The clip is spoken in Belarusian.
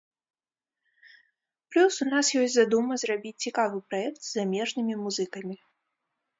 Плюс, у нас ёсць задума зрабіць цікавы праект з замежнымі музыкамі.